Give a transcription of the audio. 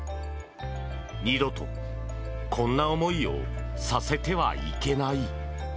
二度とこんな思いをさせてはいけない！